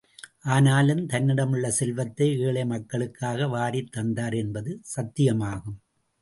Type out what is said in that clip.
ஆனாலும், தன்னிடமுள்ள செல்வத்தை ஏழை மக்களுக்காக வாரித் தந்தார் என்பது சத்தியமாகும்.